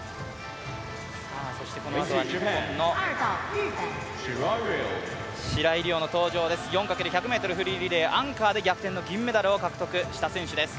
そしてこのあとは日本の白井璃緒の登場です、４×１００ｍフリーリレー、アンカーで逆転の銀メダルを取った選手です。